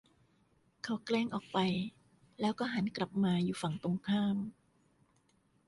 เขาแกล้งออกไปแล้วก็หันกลับมาอยู่ฝั่งตรงข้าม